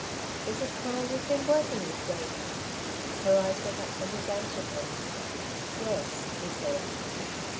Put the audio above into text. "Is it Conal you've been working with, Davey?" her eyes went up to his anxiously. "Yes," he said.